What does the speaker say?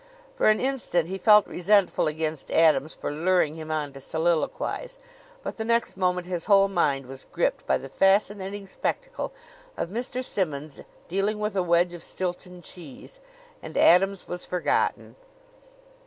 For an instant he felt resentful against Adams for luring him on to soliloquize; but the next moment his whole mind was gripped by the fascinating spectacle of Mr. Simmonds dealing with a wedge of Stilton cheese, and Adams was forgotten.